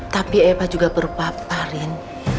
tapi eva juga berpapa rin